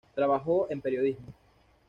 Trabajó en periodismo.